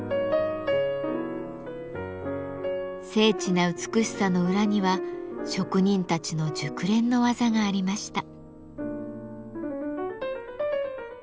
精緻な美しさの裏には職人たちの熟練の技がありました。